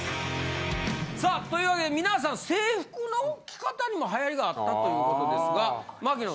さあというわけで皆さん制服の着方にも流行りがあったということですが槙野